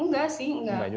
enggak sih enggak